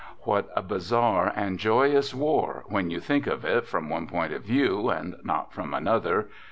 " What a bizarre and joyous war, when you think of it from one point of view, and not from another